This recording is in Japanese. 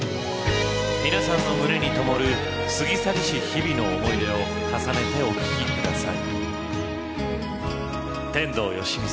皆さんの胸にともる過ぎ去りし日々の思い出を重ねてお聴きください